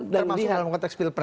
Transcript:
termasuk dalam konteks pilpres